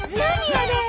あれ。